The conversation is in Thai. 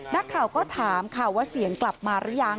นักข่าวก็ถามค่ะว่าเสียงกลับมาหรือยัง